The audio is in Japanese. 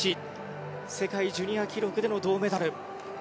世界ジュニア記録での銅メダル。